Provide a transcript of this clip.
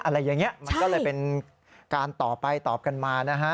อะไรอย่างนี้มันก็เลยเป็นการต่อไปตอบกันมานะฮะ